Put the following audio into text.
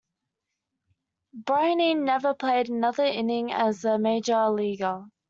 Breining never played another inning as a Major Leaguer.